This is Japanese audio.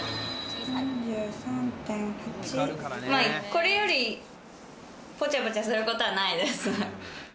これよりぽちゃぽちゃすることはないです。